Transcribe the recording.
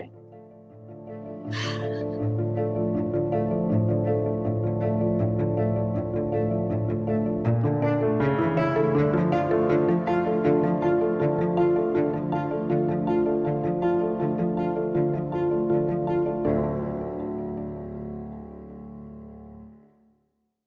โปรดติดตามตอนต่อไป